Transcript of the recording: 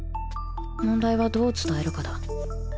問題はどう伝えるかだ